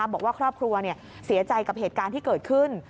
บอกว่าครอบครัวเสียใจกับเหตุการณ์ที่เกิดขึ้น